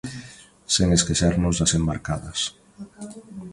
Sen esquecernos das embarcadas.